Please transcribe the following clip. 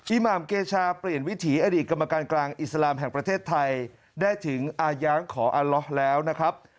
หมามเกชาเปลี่ยนวิถีอดีตกรรมการกลางอิสลามแห่งประเทศไทยได้ถึงอาย้างขออัลล้อแล้วนะครับ